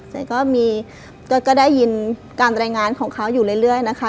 เจ๊ก็มีก็ได้ยินการรายงานของเขาอยู่เรื่อยนะคะ